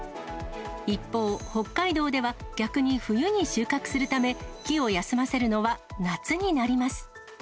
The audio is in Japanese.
一方、北海道では逆に冬に収穫するため、木を休ませるのは夏になります。